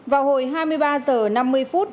vào hồi hai mươi ba h năm mươi phút